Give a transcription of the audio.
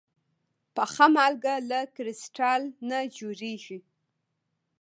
پخه مالګه له کريستال نه جوړېږي.